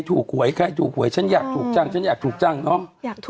ถูกห่วยใครถูกห่วยฉันอยากถูกจังน้อง